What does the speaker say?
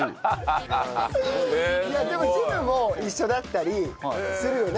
いやでもジムも一緒だったりするよね。